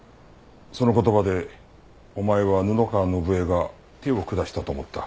その言葉でお前は布川伸恵が手を下したと思った。